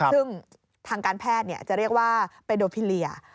ซึ่งทางการแพทย์จะเรียกว่าเปโดพิเลีย